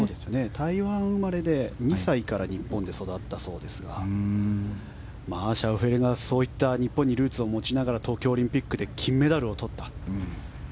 台湾生まれで２歳から日本で育ったそうですがシャウフェレが、そういった日本にルーツを持ちながら東京オリンピックで金メダルを取った。